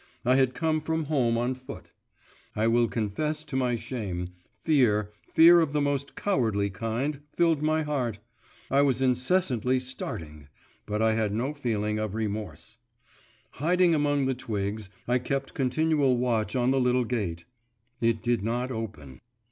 I had come from home on foot. I will confess to my shame; fear, fear of the most cowardly kind, filled my heart; I was incessantly starting … but I had no feeling of remorse. Hiding among the twigs, I kept continual watch on the little gate. It did not open.